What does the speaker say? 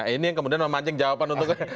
ini yang kemudian memancing jawaban untuk